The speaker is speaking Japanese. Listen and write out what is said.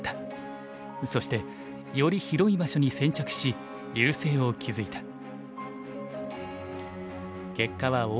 そしてより広い場所に先着し優勢を築いた。